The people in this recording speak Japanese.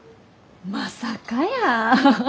まさかやー。